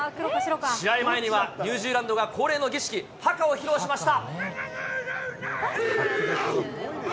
試合前にはニュージーランドが恒例の儀式、ハカを披露しました。